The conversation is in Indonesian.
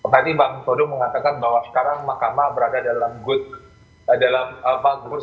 tadi bang foduh mengatakan bahwa sekarang makamah berada dalam good stage nya gitu